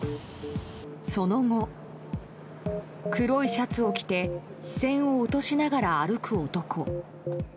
その後、黒いシャツを着て視線を落としながら歩く男。